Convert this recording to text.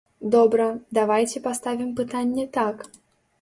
Добра, давайце паставім пытанне так.